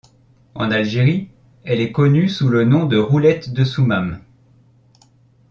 En Algérie, elle est connue sous le nom de Roulette de Sóumam.